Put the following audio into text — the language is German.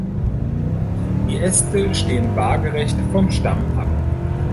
Die Äste stehen waagerecht vom Stamm ab.